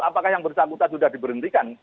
apakah yang bersangkutan sudah diberhentikan